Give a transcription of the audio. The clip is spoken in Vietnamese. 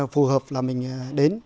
phù hợp là mình đến